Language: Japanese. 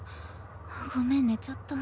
ごめん寝ちゃった。